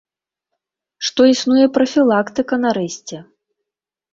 Што існуе прафілактыка, нарэшце!